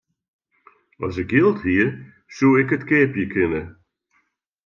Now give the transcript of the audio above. As ik jild hie, soe ik it keapje kinne.